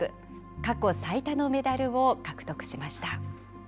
過去最多のメダルを獲得しました。